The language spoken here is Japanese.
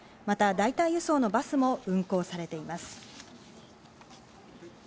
代替輸送のバスも運行されています。